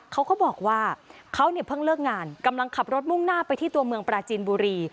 เขาก็บอกว่าเขาเนี่ยเพิ่งเลิกงานกำลังขับรถมุ่งหน้าไปที่ตัวเมืองปราจีนบุรี